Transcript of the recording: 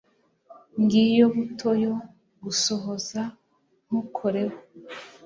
ngiyo buto yo gusohora. ntukoreho